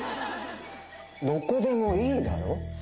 どこでもいいだろ。